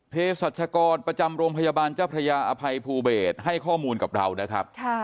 สัชกรประจำโรงพยาบาลเจ้าพระยาอภัยภูเบศให้ข้อมูลกับเรานะครับ